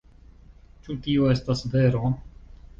Ĉu tio estas vero?